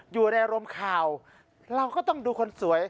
อยู่ในอารมณ์ข่าวเราก็ต้องดูคนสวย